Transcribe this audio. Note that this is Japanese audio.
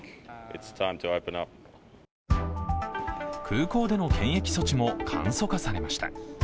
空港での検疫措置も簡素化されました。